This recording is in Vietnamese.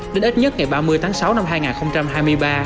đến ít nhất ngày ba mươi tháng sáu năm hai nghìn hai mươi ba